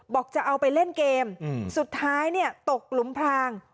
บอกจะเอาไปเล่นเกมสุดท้ายเนี่ยตกหลุมพราง